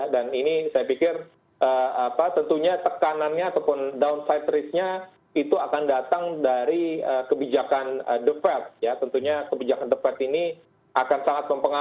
dan ini saya pikir tentunya tekanannya